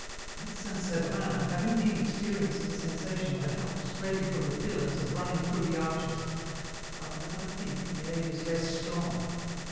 " At St. Severin I have indeed experienced the sensa tion of a help spreading from the pillars and running through the arches, but, as I think, the aid is less strong.